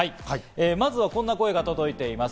まずはこんな声が届いています。